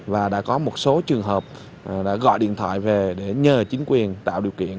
và đã có một số trường hợp đã gọi điện thoại về để nhờ chính quyền tạo điều kiện